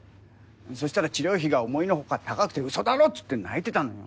そしたら治療費が思いの外高くて嘘だろっつって泣いてたのよ。